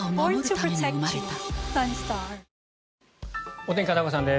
お天気、片岡さんです。